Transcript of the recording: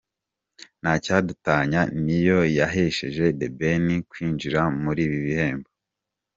Ntacyadutanya ni yo yahesheje The Ben kwinjira muri ibi bihembo.